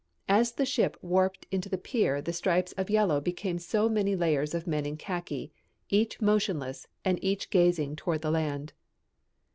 As the ship warped into the pier the stripes of yellow became so many layers of men in khaki, each motionless and each gazing toward the land.